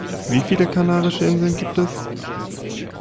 Wie viele Kanarische Inseln gibt es?